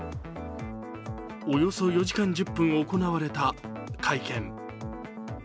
およそ４時間１０分行われた会見。